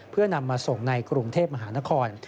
เพื่อนำมาส่งในกรุงเทพมหานคร